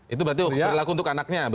itu berarti berlaku untuk anaknya